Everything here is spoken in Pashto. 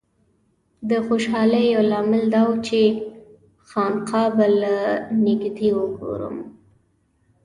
د خوشالۍ یو لامل دا و چې خانقاه به له نږدې وګورم.